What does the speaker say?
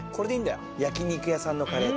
「焼肉屋さんのカレー」って。